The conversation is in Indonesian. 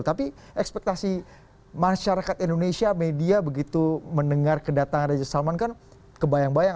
tapi ekspektasi masyarakat indonesia media begitu mendengar kedatangan raja salman kan kebayang bayang